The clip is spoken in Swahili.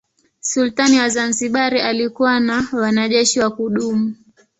Sultani wa Zanzibar alikuwa na wanajeshi wa kudumu.